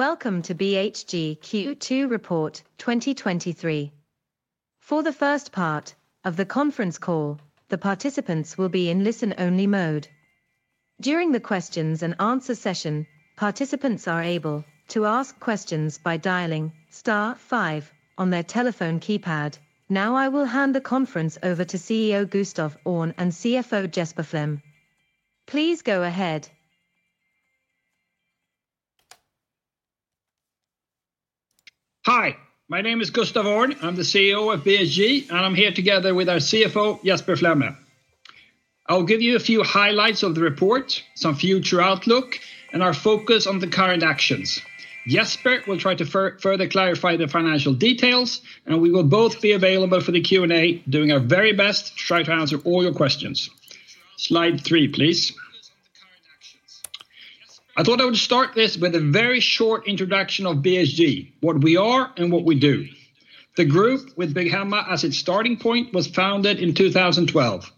Welcome to BHG Q2 Report 2023. For the first part of the conference call, the participants will be in listen-only mode. During the questions and answer session, participants are able to ask questions by dialing star five on their telephone keypad. I will hand the conference over to CEO Gustaf Öhrn and CFO Jesper Flemme. Please go ahead. Hi, my name is Gustaf Öhrn. I'm the CEO of BHG, and I'm here together with our CFO, Jesper Flemme. I'll give you a few highlights of the report, some future outlook, and our focus on the current actions. Jesper will try to further clarify the financial details, and we will both be available for the Q&A, doing our very best to try to answer all your questions. Slide three, please. I thought I would start this with a very short introduction of BHG, what we are and what we do. The group, with Byggmax as its starting point, was founded in 2012.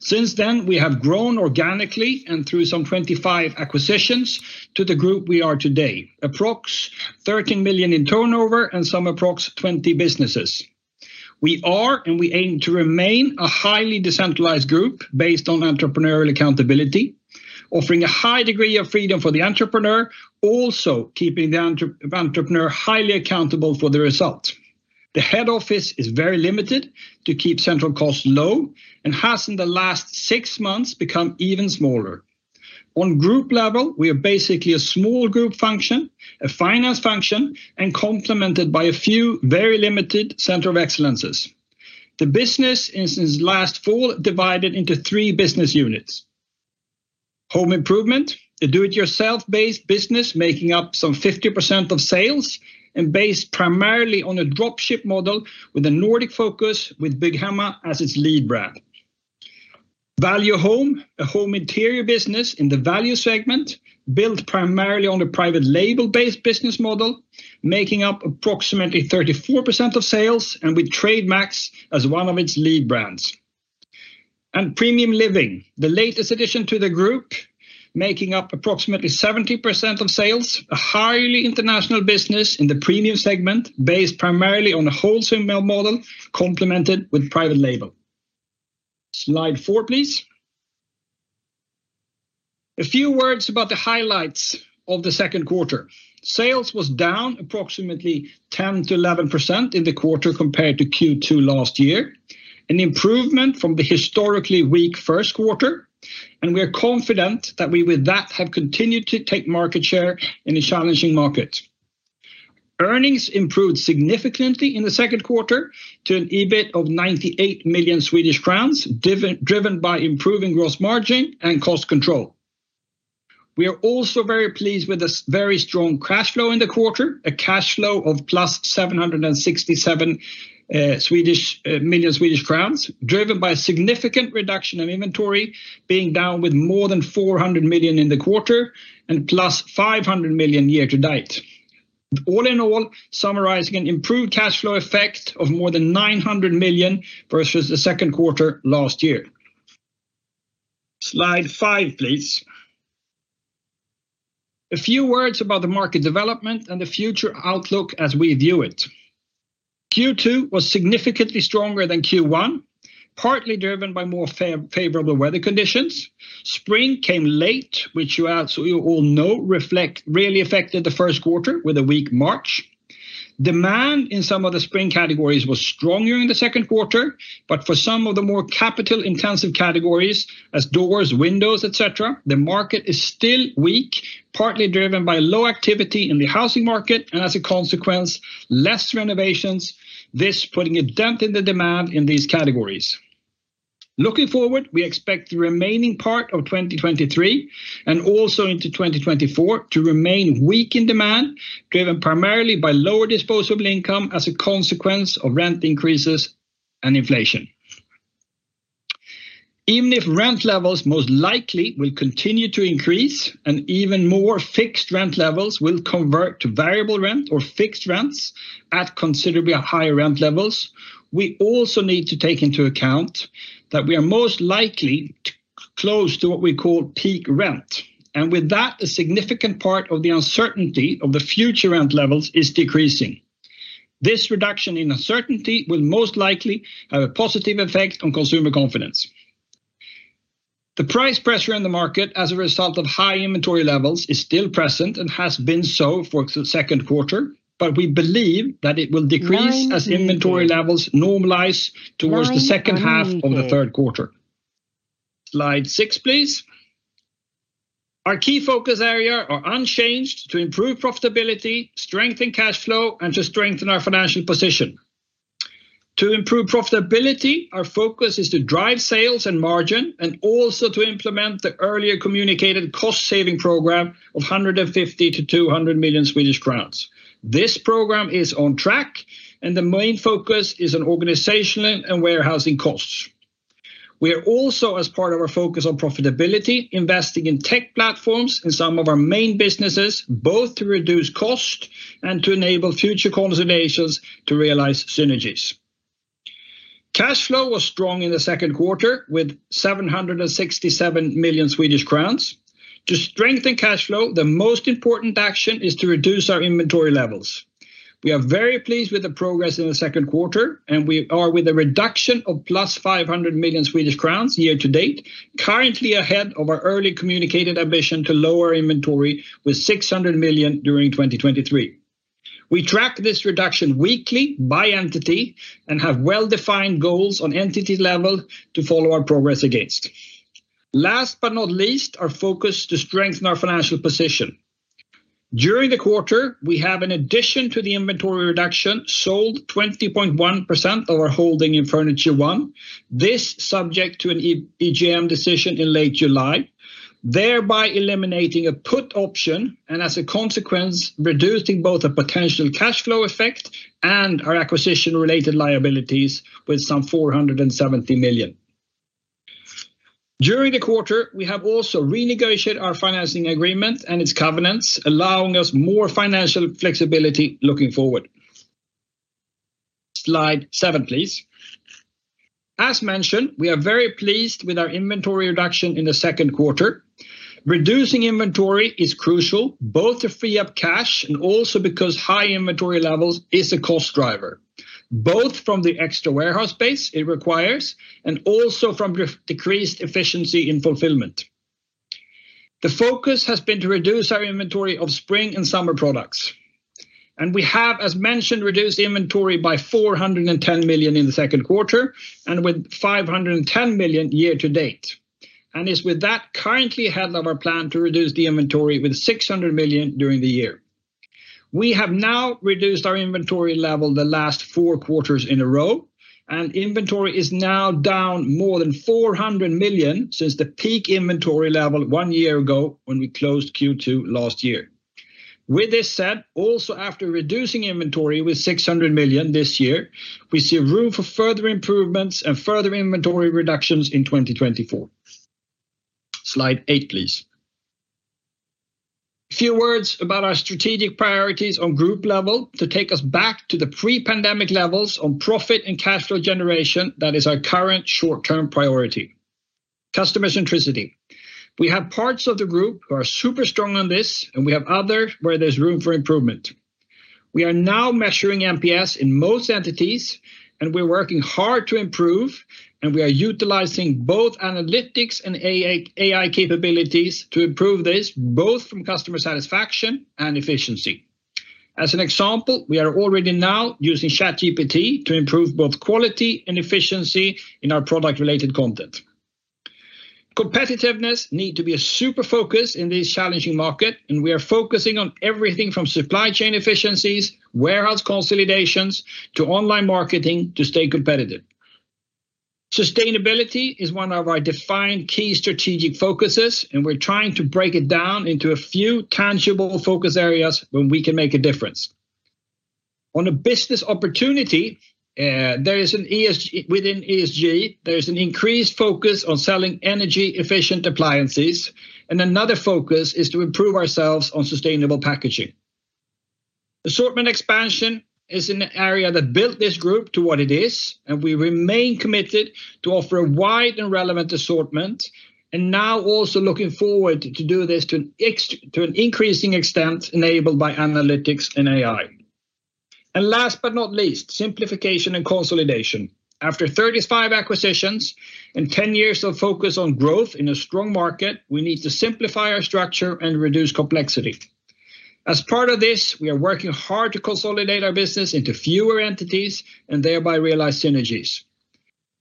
Since then, we have grown organically and through some 25 acquisitions to the group we are today, approx 13 million in turnover and some approx 20 businesses. We are, and we aim to remain, a highly decentralized group based on entrepreneurial accountability, offering a high degree of freedom for the entrepreneur, also keeping the entrepreneur highly accountable for the result. The head office is very limited to keep central costs low and has, in the last six months, become even smaller. On group level, we are basically a small group function, a finance function, and complemented by a few very limited center of excellences. The business is, since last fall, divided into three business units: Home Improvement, a do-it-yourself-based business, making up some 50% of sales and based primarily on a drop ship model with a Nordic focus, with Byggmax as its lead brand. Value Home, a home interior business in the value segment, built primarily on a private label-based business model, making up approximately 34% of sales and with Trademax as one of its lead brands. Premium Living, the latest addition to the group, making up approximately 70% of sales, a highly international business in the premium segment, based primarily on a wholesale model, complemented with private label. Slide four, please. A few words about the highlights of the second quarter. Sales was down approximately 10%-11% in the quarter compared to Q2 last year, an improvement from the historically weak first quarter. We are confident that we, with that, have continued to take market share in a challenging market. Earnings improved significantly in the second quarter to an EBIT of 98 million Swedish crowns, driven by improving gross margin and cost control. We are also very pleased with the very strong cash flow in the quarter, a cash flow of plus 767 million Swedish crowns, driven by a significant reduction in inventory, being down with more than 400 million in the quarter and plus 500 million year to date. All in all, summarizing an improved cash flow effect of more than 900 million versus the second quarter last year. Slide five, please. A few words about the market development and the future outlook as we view it. Q2 was significantly stronger than Q1, partly driven by more favorable weather conditions. Spring came late, which you all know, really affected the first quarter with a weak March. Demand in some of the spring categories was stronger in the second quarter, but for some of the more capital-intensive categories as doors, windows, et cetera, the market is still weak, partly driven by low activity in the housing market and, as a consequence, less renovations, this putting a dent in the demand in these categories. Looking forward, we expect the remaining part of 2023, and also into 2024, to remain weak in demand, driven primarily by lower disposable income as a consequence of rent increases and inflation. Even if rent levels most likely will continue to increase and even more fixed rent levels will convert to variable rent or fixed rents at considerably higher rent levels, we also need to take into account that we are most likely close to what we call peak rent. With that, a significant part of the uncertainty of the future rent levels is decreasing. This reduction in uncertainty will most likely have a positive effect on consumer confidence. The price pressure in the market as a result of high inventory levels is still present and has been so for the second quarter, but we believe that it will decrease as inventory levels normalize... towards the second half of the third quarter. Slide six, please. Our key focus area are unchanged: to improve profitability, strengthen cash flow, and to strengthen our financial position. To improve profitability, our focus is to drive sales and margin and also to implement the earlier communicated cost-saving program of 150 million-200 million Swedish crowns. This program is on track, and the main focus is on organizational and warehousing costs. We are also, as part of our focus on profitability, investing in tech platforms in some of our main businesses, both to reduce cost and to enable future consolidations to realize synergies. Cash flow was strong in the second quarter, with 767 million Swedish crowns. To strengthen cash flow, the most important action is to reduce our inventory levels. We are very pleased with the progress in the second quarter. We are with a reduction of + 500 million Swedish crowns year to date, currently ahead of our early communicated ambition to lower inventory with 600 million during 2023. We track this reduction weekly by entity and have well-defined goals on entity level to follow our progress against. Last but not least, our focus to strengthen our financial position. During the quarter, we have, in addition to the inventory reduction, sold 20.1% of our holding in Furniture1. This subject to an EGM decision in late July, thereby eliminating a put option and as a consequence, reducing both a potential cash flow effect and our acquisition-related liabilities with some 470 million. During the quarter, we have also renegotiated our financing agreement and its covenants, allowing us more financial flexibility looking forward. Slide 7, please. As mentioned, we are very pleased with our inventory reduction in the second quarter. Reducing inventory is crucial, both to free up cash and also because high inventory levels is a cost driver, both from the extra warehouse space it requires and also from the decreased efficiency in fulfillment. The focus has been to reduce our inventory of spring and summer products. We have, as mentioned, reduced inventory by 410 million in the second quarter and with 510 million year to date, and is with that currently ahead of our plan to reduce the inventory with 600 million during the year. We have now reduced our inventory level the last four quarters in a row, and inventory is now down more than 400 million since the peak inventory level one year ago when we closed Q2 last year. With this said, also after reducing inventory with 600 million this year, we see room for further improvements and further inventory reductions in 2024. Slide eight, please. A few words about our strategic priorities on group level to take us back to the pre-pandemic levels on profit and cash flow generation, that is our current short-term priority. Customer centricity. We have parts of the group who are super strong on this, and we have others where there's room for improvement. We are now measuring NPS in most entities. We're working hard to improve. We are utilizing both analytics and AI capabilities to improve this, both from customer satisfaction and efficiency. As an example, we are already now using ChatGPT to improve both quality and efficiency in our product-related content. Competitiveness need to be a super focus in this challenging market. We are focusing on everything from supply chain efficiencies, warehouse consolidations, to online marketing to stay competitive. Sustainability is one of our defined key strategic focuses. We're trying to break it down into a few tangible focus areas where we can make a difference. On a business opportunity, Within ESG, there is an increased focus on selling energy-efficient appliances. Another focus is to improve ourselves on sustainable packaging. Assortment expansion is an area that built this group to what it is, and we remain committed to offer a wide and relevant assortment, and now also looking forward to do this to an increasing extent, enabled by analytics and AI. Last but not least, simplification and consolidation. After 35 acquisitions and 10 years of focus on growth in a strong market, we need to simplify our structure and reduce complexity. As part of this, we are working hard to consolidate our business into fewer entities and thereby realize synergies.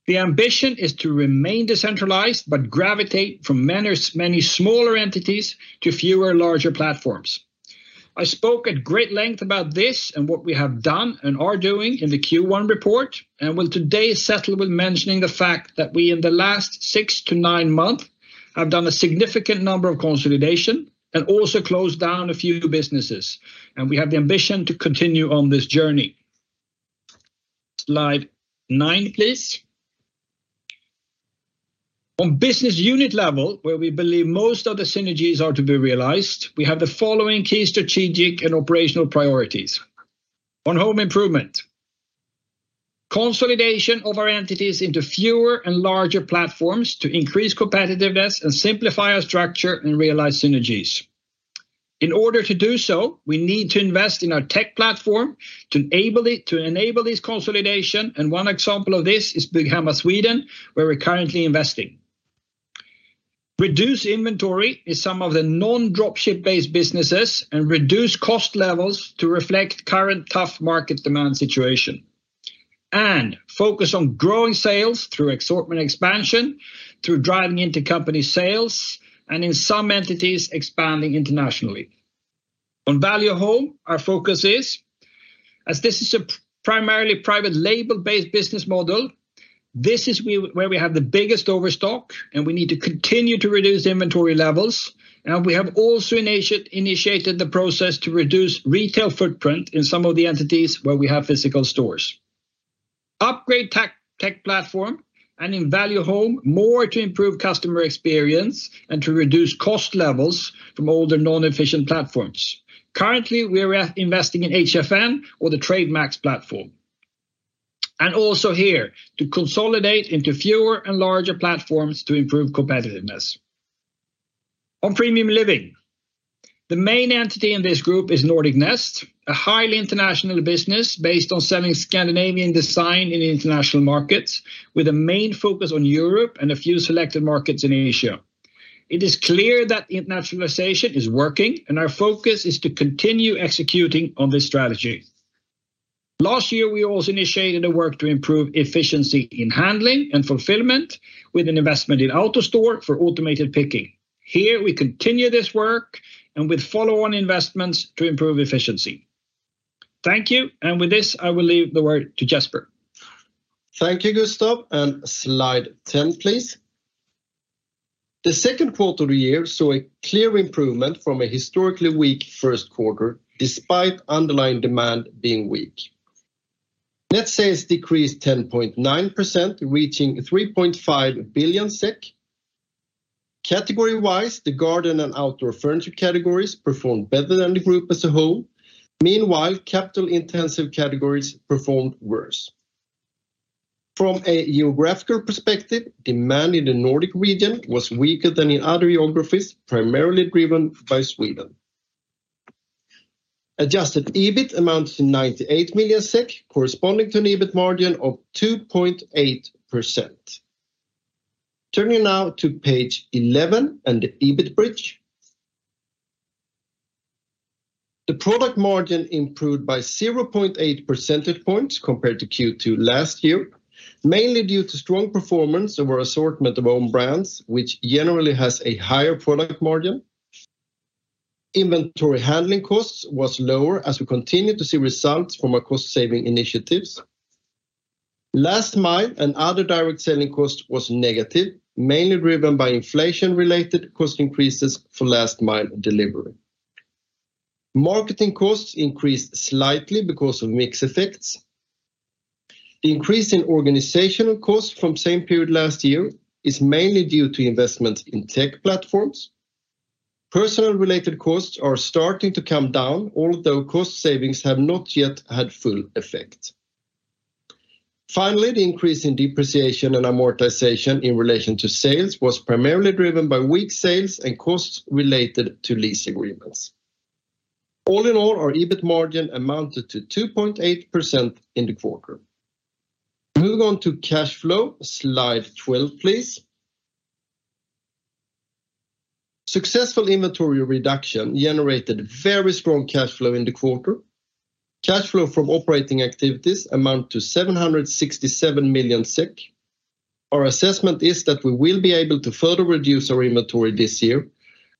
The ambition is to remain decentralized, but gravitate from many smaller entities to fewer, larger platforms. I spoke at great length about this and what we have done and are doing in the Q1 report. Will today settle with mentioning the fact that we, in the last 6-9 months, have done a significant number of consolidation and also closed down a few businesses. We have the ambition to continue on this journey. Slide nine, please. On business unit level, where we believe most of the synergies are to be realized, we have the following key strategic and operational priorities. On Home Improvement, consolidation of our entities into fewer and larger platforms to increase competitiveness and simplify our structure and realize synergies. In order to do so, we need to invest in our tech platform to enable it, to enable this consolidation. One example of this is Byggmax Sweden, where we're currently investing. Reduce inventory is some of the non-drop ship-based businesses and reduce cost levels to reflect current tough market demand situation. Focus on growing sales through assortment expansion, through driving into company sales, and in some entities, expanding internationally. On Value Home, our focus is, as this is a primarily private label-based business model, this is where we have the biggest overstock, and we need to continue to reduce inventory levels. We have also initiated the process to reduce retail footprint in some of the entities where we have physical stores. Upgrade tech platform and in Value Home, more to improve customer experience and to reduce cost levels from older, non-efficient platforms. Currently, we are investing in HFN or the Trademax platform. Also here to consolidate into fewer and larger platforms to improve competitiveness. On Premium Living, the main entity in this group is Nordic Nest, a highly international business based on selling Scandinavian design in international markets, with a main focus on Europe and a few selected markets in Asia. It is clear that internationalization is working, and our focus is to continue executing on this strategy. Last year, we also initiated the work to improve efficiency in handling and fulfillment, with an investment in AutoStore for automated picking. Here, we continue this work and with follow-on investments to improve efficiency. Thank you, and with this, I will leave the word to Jesper. Thank you, Gustav, and slide 10, please. The second quarter of the year saw a clear improvement from a historically weak first quarter, despite underlying demand being weak. Net sales decreased 10.9%, reaching 3.5 billion SEK. Category-wise, the garden and outdoor furniture categories performed better than the group as a whole. Meanwhile, capital-intensive categories performed worse. From a geographical perspective, demand in the Nordic region was weaker than in other geographies, primarily driven by Sweden. Adjusted EBIT amounted to 98 million SEK, corresponding to an EBIT margin of 2.8%. Turning now to page 11 and the EBIT bridge. The product margin improved by 0.8 percentage points compared to Q2 last year, mainly due to strong performance of our assortment of own brands, which generally has a higher product margin. Inventory handling costs was lower as we continue to see results from our cost-saving initiatives. Last mile and other direct selling costs was negative, mainly driven by inflation-related cost increases for last mile delivery. Marketing costs increased slightly because of mix effects. The increase in organizational costs from same period last year is mainly due to investments in tech platforms. Personal-related costs are starting to come down, although cost savings have not yet had full effect. Finally, the increase in depreciation and amortization in relation to sales was primarily driven by weak sales and costs related to lease agreements. All in all, our EBIT margin amounted to 2.8% in the quarter. Move on to cash flow. Slide 12, please. Successful inventory reduction generated very strong cash flow in the quarter. Cash flow from operating activities amount to 767 million SEK. Our assessment is that we will be able to further reduce our inventory this year,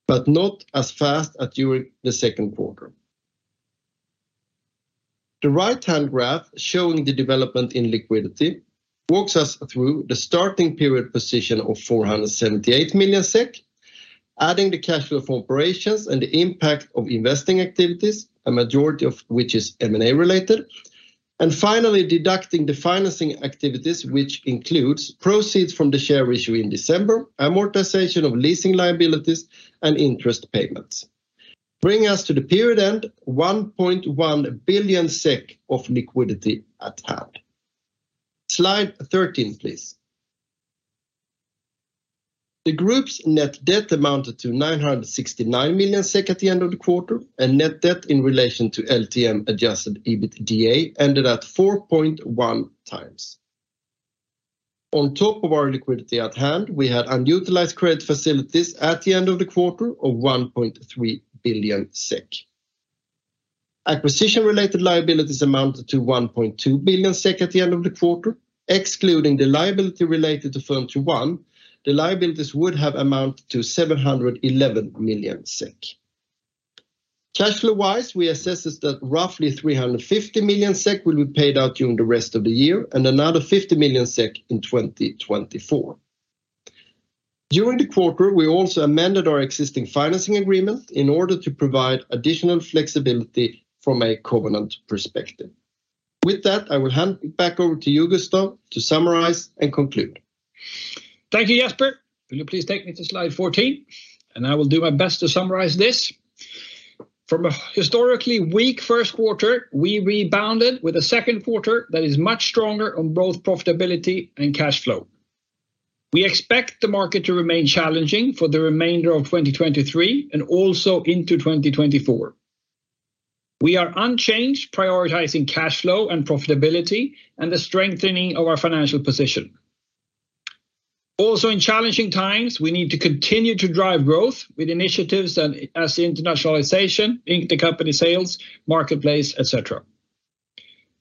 but not as fast as during the second quarter. The right-hand graph, showing the development in liquidity, walks us through the starting period position of 478 million SEK, adding the cash flow from operations and the impact of investing activities, a majority of which is M&A related. Finally, deducting the financing activities, which includes proceeds from the share issue in December, amortization of leasing liabilities, and interest payments, bring us to the period end, 1.1 billion SEK of liquidity at hand. Slide 13, please. The group's net debt amounted to 969 million SEK at the end of the quarter, and net debt in relation to LTM adjusted EBITDA ended at 4.1 times. On top of our liquidity at hand, we had unutilized credit facilities at the end of the quarter of 1.3 billion SEK. Acquisition-related liabilities amounted to 1.2 billion SEK at the end of the quarter. Excluding the liability related to Furniture1, the liabilities would have amounted to 711 million SEK. Cash flow-wise, we assesses that roughly 350 million SEK will be paid out during the rest of the year, and another 50 million SEK in 2024. During the quarter, we also amended our existing financing agreement in order to provide additional flexibility from a covenant perspective. With that, I will hand it back over to you, Gustaf, to summarize and conclude. Thank you, Jesper. Will you please take me to slide 14? I will do my best to summarize this. From a historically weak first quarter, we rebounded with a second quarter that is much stronger on both profitability and cash flow. We expect the market to remain challenging for the remainder of 2023 and also into 2024. We are unchanged, prioritizing cash flow and profitability and the strengthening of our financial position. In challenging times, we need to continue to drive growth with initiatives that, as internationalization, intercompany sales, marketplace, et cetera.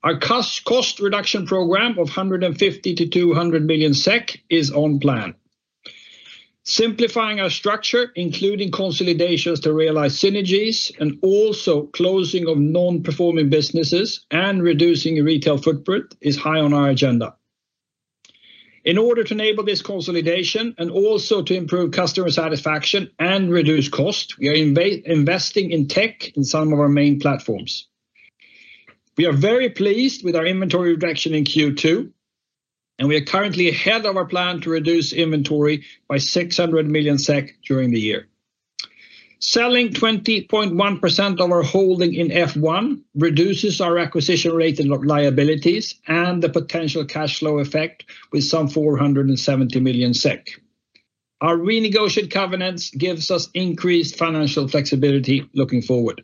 Our cost reduction program of 150 to 200 million SEK is on plan. Simplifying our structure, including consolidations to realize synergies and also closing of non-performing businesses and reducing retail footprint, is high on our agenda. In order to enable this consolidation and also to improve customer satisfaction and reduce cost, we are investing in tech in some of our main platforms. We are very pleased with our inventory reduction in Q2, and we are currently ahead of our plan to reduce inventory by 600 million SEK during the year. Selling 20.1% of our holding in F1 reduces our acquisition rate and liabilities and the potential cash flow effect with some 470 million SEK. Our renegotiated covenants gives us increased financial flexibility looking forward.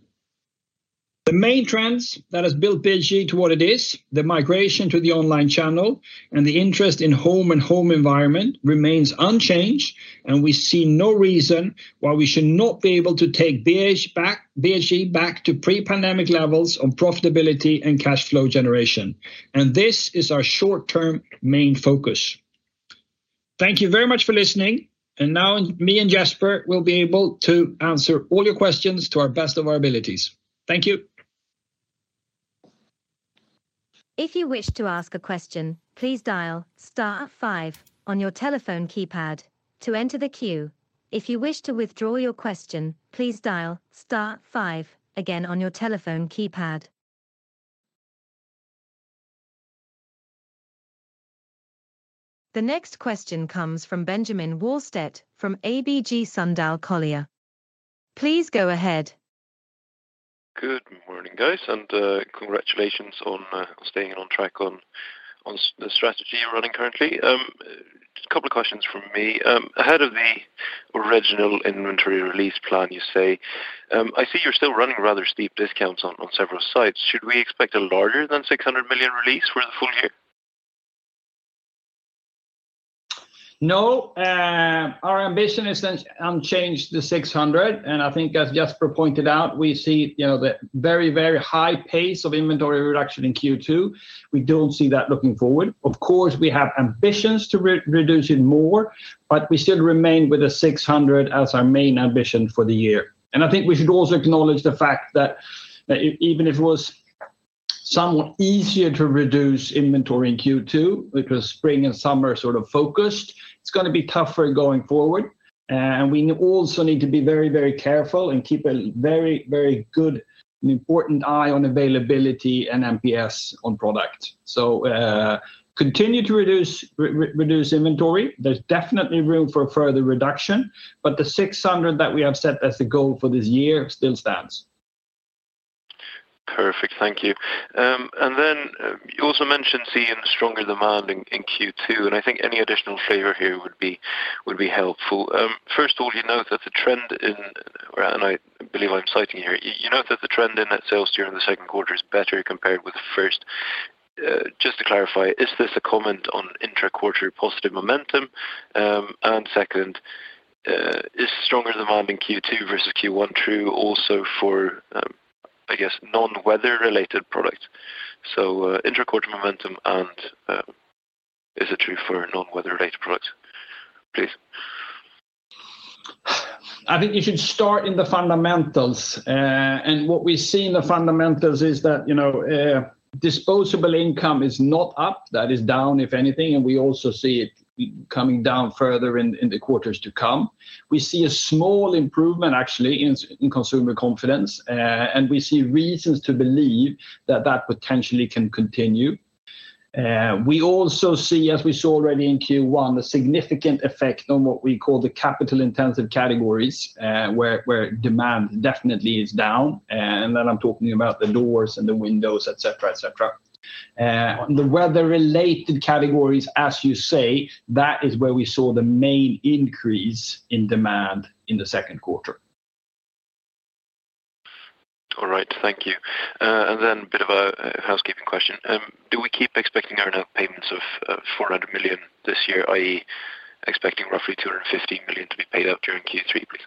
The main trends that has built BHG to what it is, the migration to the online channel, and the interest in home and home environment remains unchanged, and we see no reason why we should not be able to take BHG back to pre-pandemic levels of profitability and cash flow generation. This is our short-term main focus. Thank you very much for listening, and now, me and Jesper will be able to answer all your questions to our best of our abilities. Thank you. If you wish to ask a question, please dial star five on your telephone keypad to enter the queue. If you wish to withdraw your question, please dial star five again on your telephone keypad. The next question comes from Benjamin Wahlstedt from ABG Sundal Collier. Please go ahead. Good morning, guys. Congratulations on staying on track on the strategy you're running currently. Just a couple of questions from me. Ahead of the original inventory release plan, you say, I see you're still running rather steep discounts on several sites. Should we expect a larger than 600 million release for the full year? No, our ambition is unchanged, the 600, I think as Jesper pointed out, we see, you know, the very, very high pace of inventory reduction in Q2. We don't see that looking forward. Of course, we have ambitions to re-reduce it more, but we still remain with the 600 as our main ambition for the year. I think we should also acknowledge the fact that even if it was somewhat easier to reduce inventory in Q2, because spring and summer sort of focused, it's gonna be tougher going forward. We also need to be very, very careful and keep a very, very good and important eye on availability and NPS on product. Continue to reduce inventory. There's definitely room for further reduction, but the 600 that we have set as the goal for this year still stands. Perfect. Thank you. You also mentioned seeing stronger demand in Q2, and I think any additional flavor here would be helpful. First of all, you note that the trend in net sales during the second quarter is better compared with the first. Just to clarify, is this a comment on intra-quarter positive momentum? Second, is stronger demand in Q2 versus Q1 true also for, I guess, non-weather-related products? Intra-quarter momentum and is it true for non-weather-related products, please? I think you should start in the fundamentals. What we see in the fundamentals is that, you know, disposable income is not up, that is down, if anything. We also see it coming down further in the quarters to come. We see a small improvement, actually, in consumer confidence. We see reasons to believe that that potentially can continue. We also see, as we saw already in Q1, a significant effect on what we call the capital-intensive categories, where demand definitely is down. Then I'm talking about the doors and the windows, et cetera. The weather-related categories, as you say, that is where we saw the main increase in demand in the second quarter. All right, thank you. A bit of a housekeeping question. Do we keep expecting earn out payments of 400 million this year, i.e., expecting roughly 250 million to be paid out during Q3, please?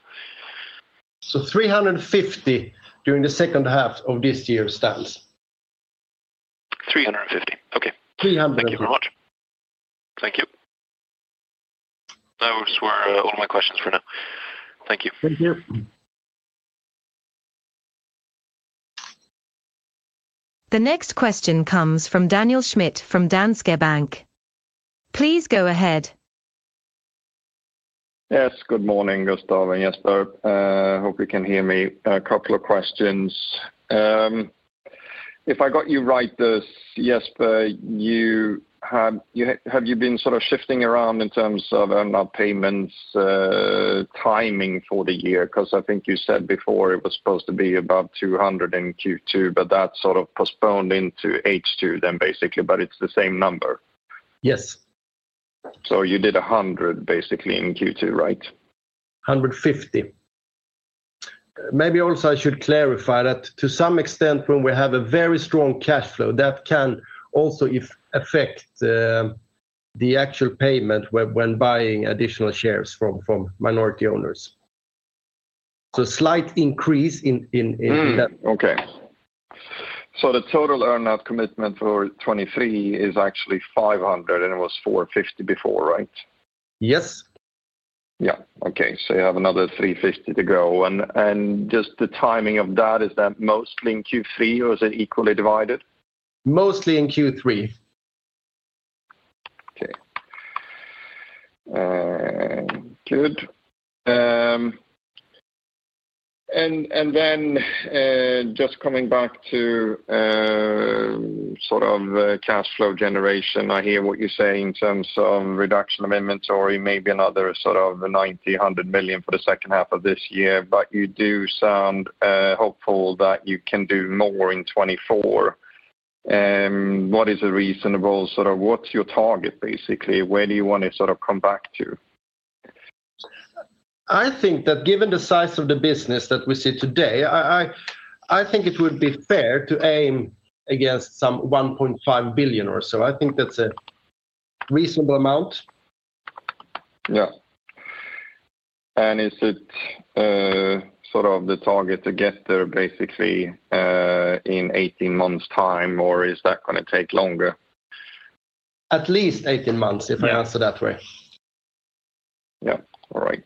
350 during the second half of this year stands. 350? Okay. 300. Thank you very much. Thank you. Those were all my questions for now. Thank you. Thank you. The next question comes from Daniel Schmidt, from Danske Bank. Please go ahead. Yes, good morning, Gustaf and Jesper. Hope you can hear me. A couple of questions. If I got you right, this Jesper, have you been sort of shifting around in terms of earn-out payments, timing for the year? I think you said before it was supposed to be about 200 million in Q2, but that sort of postponed into H2 then, basically, but it's the same number. Yes. You did 100, basically, in Q2, right? 150. Maybe also, I should clarify that to some extent, when we have a very strong cash flow, that can also affect the actual payment when buying additional shares from minority owners. Slight increase in. Okay. The total earn-out commitment for 2023 is actually 500, and it was 450 before, right? Yes. Yeah. Okay, you have another 350 to go. Just the timing of that, is that mostly in Q3, or is it equally divided? Mostly in Q3. Okay. Good. Just coming back to, sort of, cash flow generation, I hear what you're saying in terms of reduction of inventory, maybe another sort of 90 million-100 million for the second half of this year, but you do sound, hopeful that you can do more in 2024. What is a reasonable sort of, what's your target, basically? Where do you want to sort of come back to? I think that given the size of the business that we see today, I think it would be fair to aim against some 1.5 billion or so. I think that's a reasonable amount. Yeah. Is it sort of the target to get there basically in 18 months time, or is that going to take longer? At least 18 months, if I answer that way. Yeah. All right.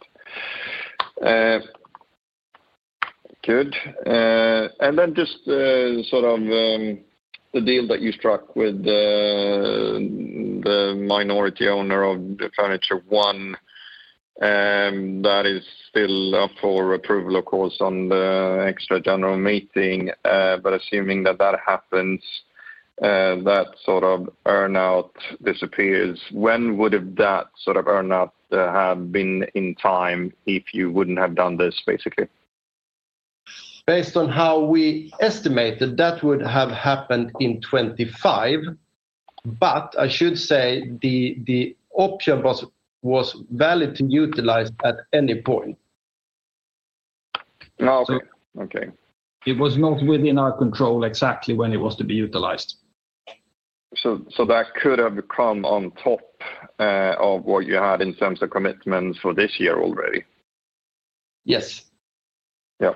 Good. Then just, sort of, the deal that you struck with the minority owner of the FurnitureOne, that is still up for approval, of course, on the extra general meeting. Assuming that that happens, that sort of earn-out disappears. When would have that sort of earn-out, have been in time if you wouldn't have done this, basically? Based on how we estimated, that would have happened in 2025, but I should say the option was valid to utilize at any point. Okay, okay. It was not within our control exactly when it was to be utilized. That could have come on top of what you had in terms of commitments for this year already? Yes. Yeah.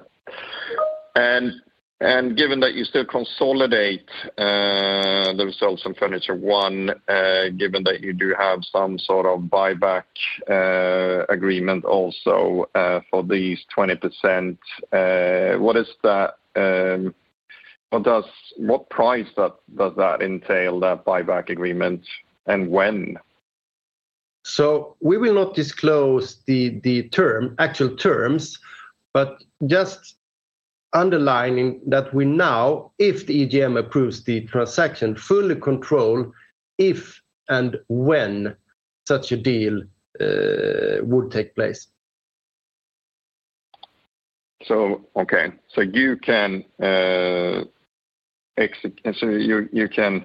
Given that you still consolidate the results in Furniture1, given that you do have some sort of buyback agreement also, for these 20%, what is that, what price does that entail, that buyback agreement, and when? We will not disclose the term, actual terms, but just underlining that we now, if the EGM approves the transaction, fully control if and when such a deal would take place. Okay.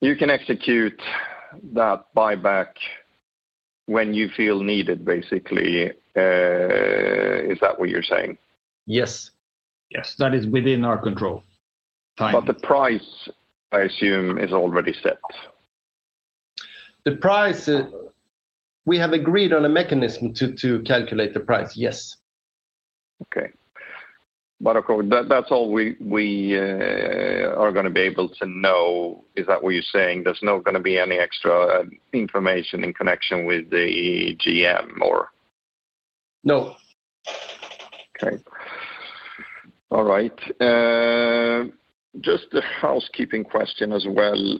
You can execute that buyback when you feel needed, basically, is that what you're saying? Yes. Yes, that is within our control, time. The price, I assume, is already set. The price, we have agreed on a mechanism to calculate the price, yes. Okay. Of course, that's all we are going to be able to know. Is that what you're saying? There's not going to be any extra information in connection with the EGM or? No. Okay. All right. Just a housekeeping question as well.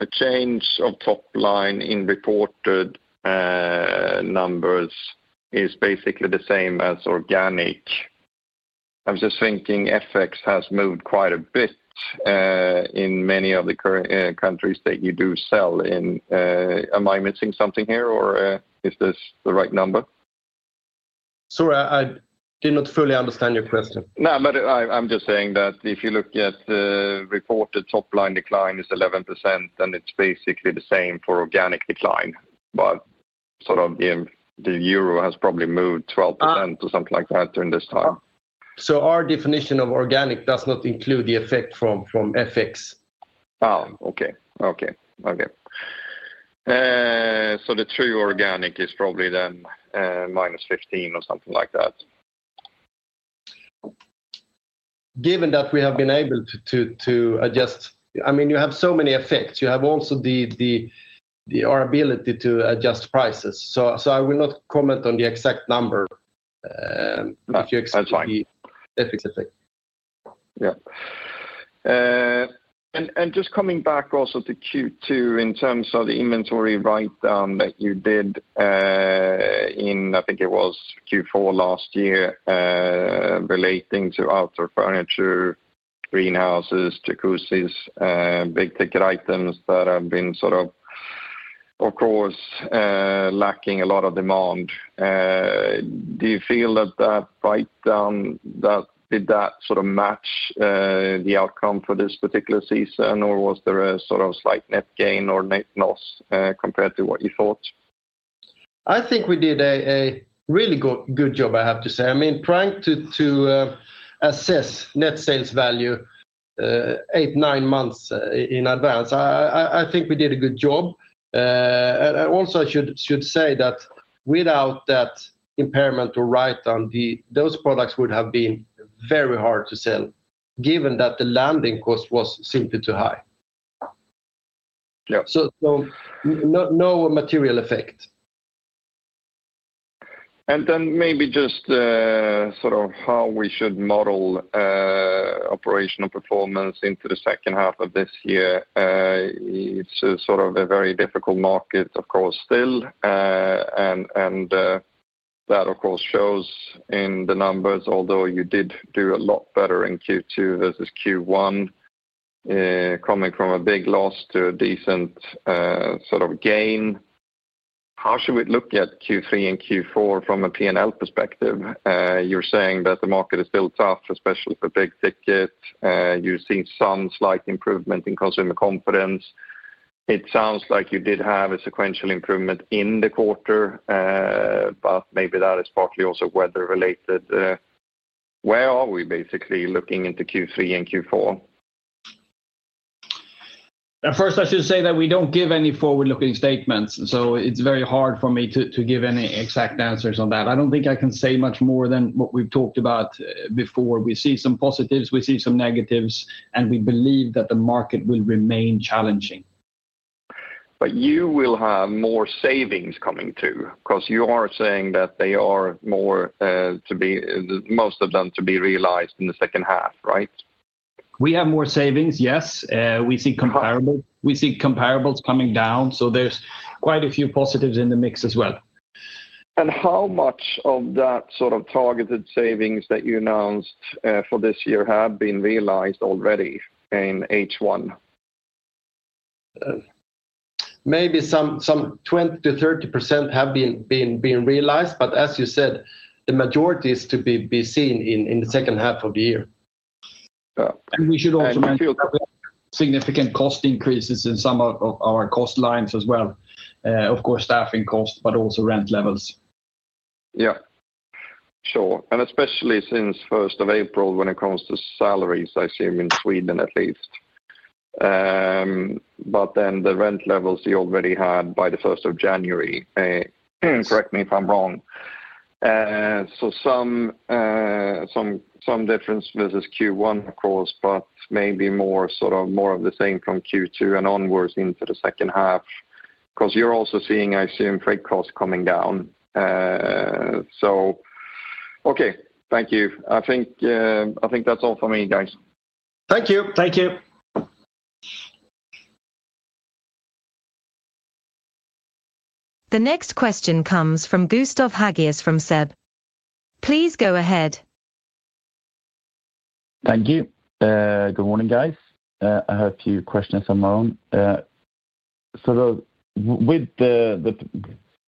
A change of top line in reported numbers is basically the same as organic. I was just thinking FX has moved quite a bit in many of the countries that you do sell in. Am I missing something here, or is this the right number? Sorry, I did not fully understand your question. I'm just saying that if you look at the reported top line decline is 11%, then it's basically the same for organic decline, but sort of in the EUR has probably moved 12% or something like that during this time. Our definition of organic does not include the effect from FX. Oh, okay. Okay, okay. The true organic is probably then, minus 15% or something like that. Given that we have been able to adjust, I mean, you have so many effects. You have also the our ability to adjust prices. So I will not comment on the exact number. That's fine. FX effect. Yeah. Just coming back also to Q2 in terms of the inventory write-down that you did, in, I think it was Q4 last year, relating to outdoor furniture, greenhouses, jacuzzis, big-ticket items that have been sort of course, lacking a lot of demand. Do you feel that that write-down did that sort of match the outcome for this particular season, or was there a sort of slight net gain or net loss compared to what you thought? I think we did a really good job, I have to say. I mean, trying to assess net sales value, 8, 9 months in advance, I think we did a good job. I also should say that without that impairment or write-down, those products would have been very hard to sell, given that the landing cost was simply too high. Yeah. so no material effect. Then maybe just sort of how we should model operational performance into the second half of this year. It's sort of a very difficult market, of course, still. And that, of course, shows in the numbers, although you did do a lot better in Q2 versus Q1, coming from a big loss to a decent sort of gain. How should we look at Q3 and Q4 from a PNL perspective? You're saying that the market is still tough, especially for big ticket, you're seeing some slight improvement in consumer confidence. It sounds like you did have a sequential improvement in the quarter, but maybe that is partly also weather related. Where are we basically looking into Q3 and Q4? At first, I should say that we don't give any forward-looking statements. It's very hard for me to give any exact answers on that. I don't think I can say much more than what we've talked about before. We see some positives, we see some negatives. We believe that the market will remain challenging. You will have more savings coming too, because you are saying that they are more, most of them to be realized in the second half, right? We have more savings, yes. We see comparables coming down. There's quite a few positives in the mix as well. How much of that sort of targeted savings that you announced for this year have been realized already in H1? Maybe some 20%-30% have been realized, but as you said, the majority is to be seen in the second half of the year. Yeah. We should also mention significant cost increases in some of our cost lines as well. Of course, staffing costs, but also rent levels. Yeah, sure. Especially since first of April, when it comes to salaries, I assume in Sweden at least. The rent levels you already had by the first of January, correct me if I'm wrong. Some difference versus Q1, of course, but maybe more sort of the same from Q2 and onwards into the second half. 'Cause you're also seeing, I assume, freight costs coming down. Okay. Thank you. I think that's all for me, guys. Thank you. Thank you. The next question comes from Gustaf Hagius from SEB. Please go ahead. Thank you. Good morning, guys. I have a few questions on my own. With the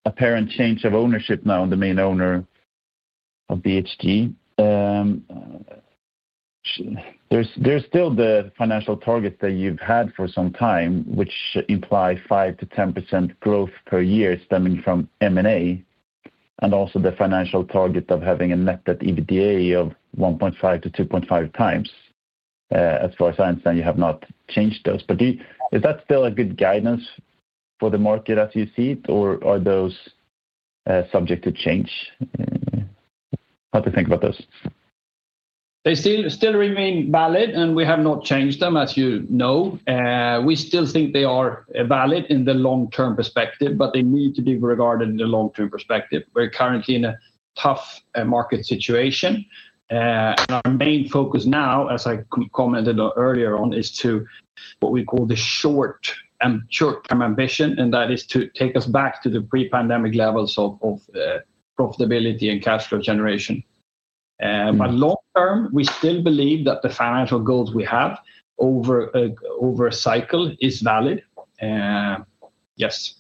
apparent change of ownership now, the main owner of BHG, there's still the financial target that you've had for some time, which imply 5%-10% growth per year stemming from M&A, and also the financial target of having a net debt EBITDA of 1.5-2.5x. As far as I understand, you have not changed those. Is that still a good guidance for the market as you see it, or are those subject to change? How do you think about this? They still remain valid. We have not changed them, as you know. We still think they are valid in the long-term perspective, but they need to be regarded in the long-term perspective. We're currently in a tough market situation. Our main focus now, as I commented on earlier on, is to, what we call the short and short-term ambition. That is to take us back to the pre-pandemic levels of profitability and cash flow generation. Long term, we still believe that the financial goals we have over a cycle is valid, yes.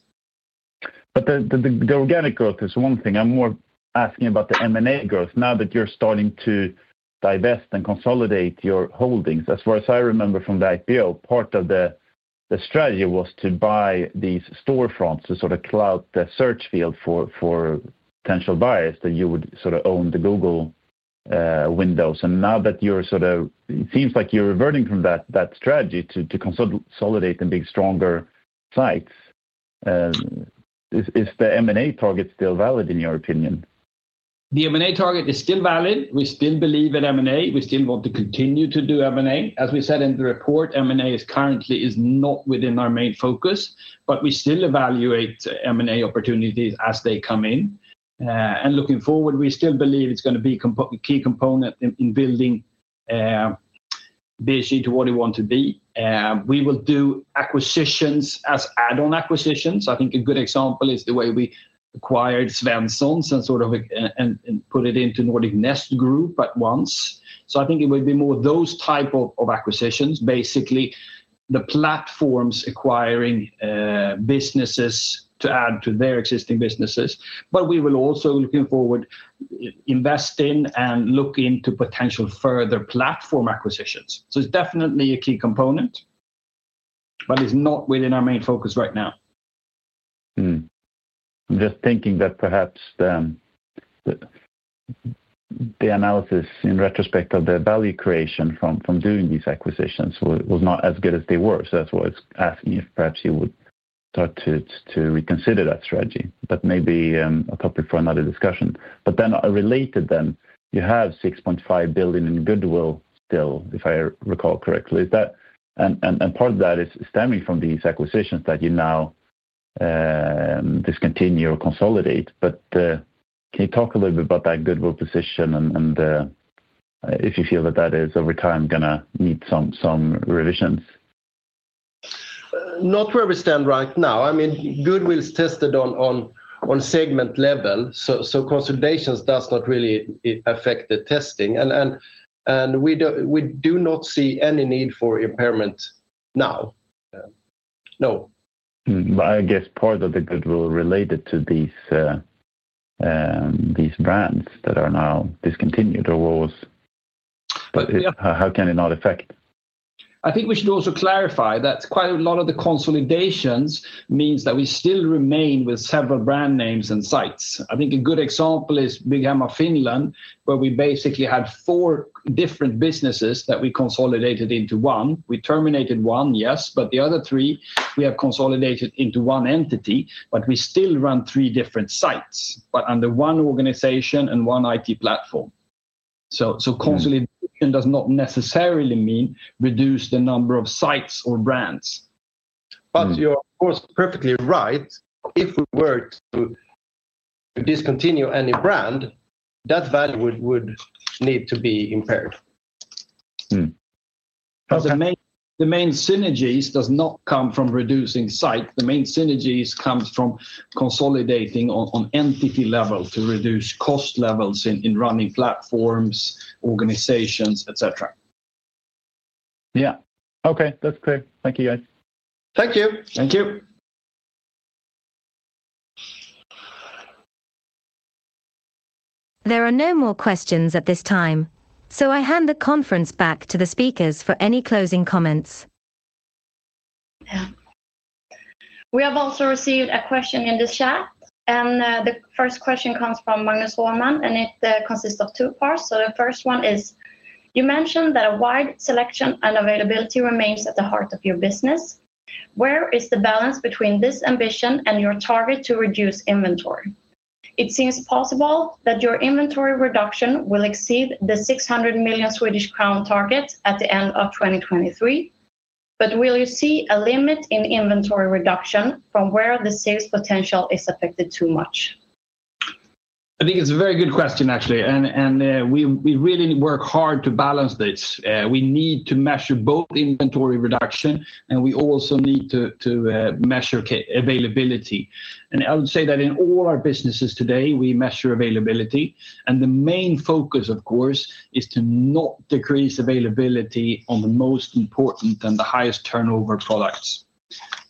The organic growth is one thing. I'm more asking about the M&A growth now that you're starting to divest and consolidate your holdings. As far as I remember from the IPO, part of the strategy was to buy these storefronts to sort of cloud the search field for potential buyers, that you would sort of own the Google windows. Now that you're sort of it seems like you're reverting from that strategy to consolidate and build stronger sites. Is the M&A target still valid in your opinion? The M&A target is still valid. We still believe in M&A. We still want to continue to do M&A. As we said in the report, M&A is currently not within our main focus, but we still evaluate M&A opportunities as they come in. Looking forward, we still believe it's gonna be key component in building, BHG to what we want to be. We will do acquisitions as add-on acquisitions. I think a good example is the way we acquired Svenssons and sort of a, and put it into Nordic Nest group at once. I think it would be more those type of acquisitions, basically, the platforms acquiring businesses to add to their existing businesses. We will also, looking forward, invest in and look into potential further platform acquisitions. It's definitely a key component, but it's not within our main focus right now. Just thinking that perhaps the analysis in retrospect of the value creation from doing these acquisitions was not as good as they were. That's why I was asking you if perhaps you would start to reconsider that strategy. Maybe a topic for another discussion. Related then, you have 6.5 billion in goodwill still, if I recall correctly. Is that... Part of that is stemming from these acquisitions that you now discontinue or consolidate. Can you talk a little bit about that goodwill position and if you feel that that is over time, gonna need some revisions? Not where we stand right now. I mean, goodwill is tested on segment level, so consolidations does not really affect the testing. We do not see any need for impairment. Yeah, no. I guess part of the goodwill related to these brands that are now discontinued or was, but how can it not affect? I think we should also clarify that quite a lot of the consolidations means that we still remain with several brand names and sites. I think a good example is Bygghemma Finland, where we basically had four different businesses that we consolidated into one. We terminated one, yes, but the other three, we have consolidated into one entity, but we still run three different sites, but under one organization and one IT platform. Consolidation does not necessarily mean reduce the number of sites or brands. You're, of course, perfectly right. If we were to discontinue any brand, that value would need to be impaired. Mm-hmm. The main synergies does not come from reducing site. The main synergies comes from consolidating on entity level to reduce cost levels in running platforms, organizations, et cetera. Yeah. Okay, that's clear. Thank you, guys. Thank you. Thank you. There are no more questions at this time, so I hand the conference back to the speakers for any closing comments. Yeah. We have also received a question in the chat, and the first question comes from Magnus Roman, and it consists of two parts. The first one is: You mentioned that a wide selection and availability remains at the heart of your business. Where is the balance between this ambition and your target to reduce inventory? It seems possible that your inventory reduction will exceed the 600 million Swedish crown target at the end of 2023, but will you see a limit in inventory reduction from where the sales potential is affected too much? I think it's a very good question, actually, and we really work hard to balance this. We need to measure both inventory reduction, and we also need to measure availability. I would say that in all our businesses today, we measure availability, and the main focus, of course, is to not decrease availability on the most important and the highest turnover products.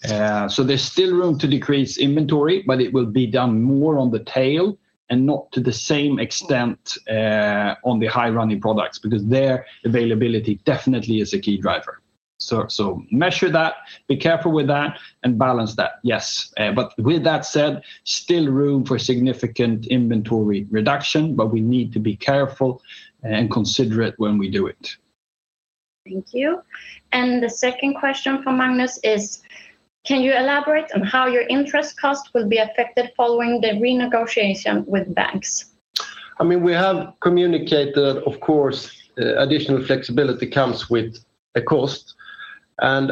There's still room to decrease inventory, but it will be done more on the tail and not to the same extent, on the high-running products, because there, availability definitely is a key driver. Measure that, be careful with that, and balance that, yes. With that said, still room for significant inventory reduction, but we need to be careful and considerate when we do it. Thank you. The second question from Magnus is: Can you elaborate on how your interest cost will be affected following the renegotiation with banks? I mean, we have communicated, of course, additional flexibility comes with a cost, and,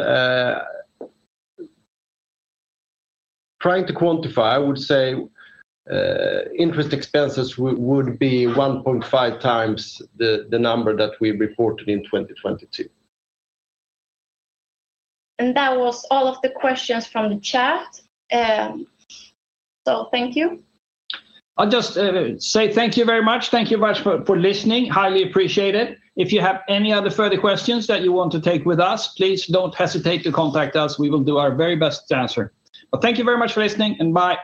trying to quantify, I would say, interest expenses would be 1.5 times the number that we reported in 2022. That was all of the questions from the chat. Thank you. I'll just say thank you very much. Thank you much for listening, highly appreciate it. If you have any other further questions that you want to take with us, please don't hesitate to contact us. We will do our very best to answer. Thank you very much for listening, and bye.